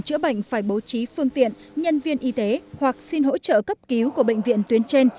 chữa bệnh phải bố trí phương tiện nhân viên y tế hoặc xin hỗ trợ cấp cứu của bệnh viện tuyến trên